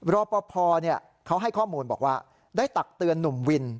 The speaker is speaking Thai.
รอปภเขาให้ข้อมูลบอกว่าได้ตักเตือนหนุ่มวิน